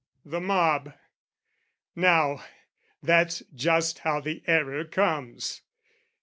The mob, now, that's just how the error comes!